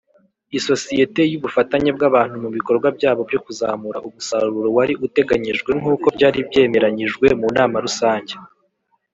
isosiyete y’ubufatanye bw abantu mu bikorwa byabo byo kuzamura umusaruro wari uteganyijwe nkuko byari byemeranyijwe mu nama rusange.